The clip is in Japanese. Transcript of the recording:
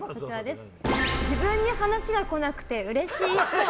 自分に話が来なくてうれしいっぽい。